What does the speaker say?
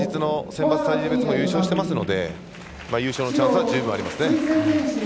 選抜体重別も優勝してますし優勝のチャンスは十分ありますね。